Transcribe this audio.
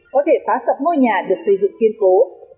có thể phá sập ngôi nhà được xây dựng kiên cố